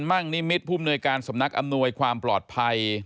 ่งนิมิตรผู้มนวยการสำนักอำนวยความปลอดภัย